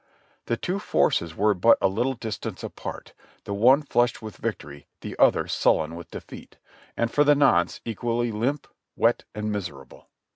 The two forces were but a little distance apart ; the one flushed with victory, the other sullen from defeat, and for the nonce equally limp, wet and miserable.